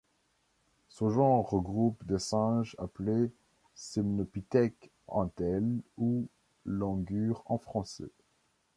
Ce genre regroupe des singes appelés semnopithèques, entelles ou langurs en français.